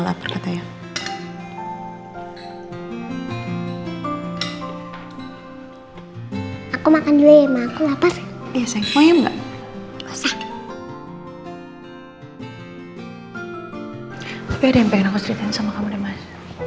tapi ada yang pengen aku ceritain sama kamu deh mas